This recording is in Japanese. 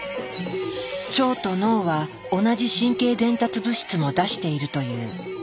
腸と脳は同じ神経伝達物質も出しているという。